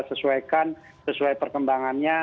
sesuaikan sesuai perkembangannya